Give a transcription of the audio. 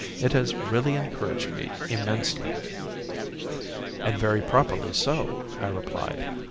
It has really encouraged me immensely." "And very properly so," I replied.